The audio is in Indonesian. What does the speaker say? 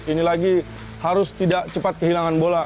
ini lagi harus tidak cepat kehilangan bola